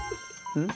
うん？